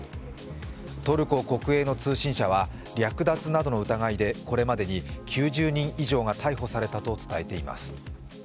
トルコ国営の通信社は略奪などの疑いでこれまでに９０人以上が逮捕されたと伝えています。